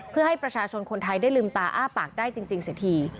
เพื่อให้ประชาชนคนไทยได้ลืมตาอ้าปากได้จริงเสียที